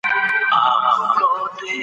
د بېوزلۍ د له منځه وړلو لپاره پلان جوړیږي.